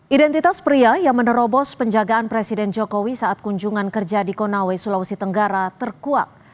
identitas pria yang menerobos penjagaan presiden jokowi saat kunjungan kerja di konawe sulawesi tenggara terkuak